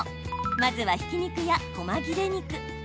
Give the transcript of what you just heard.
まずはひき肉やこま切れ肉。